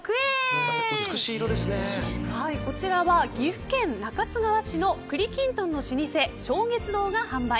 こちらは岐阜県中津川市の栗きんとんの老舗、松月堂が販売。